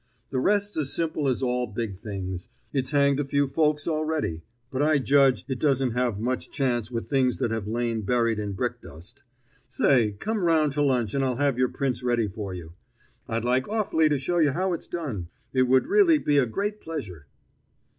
The rest's as simple as all big things. It's hanged a few folks already, but I judge it doesn't have much chance with things that have lain buried in brick dust. Say, come round to lunch and I'll have your prints ready for you. I'd like awfully to show you how it's done. It would really be a great pleasure."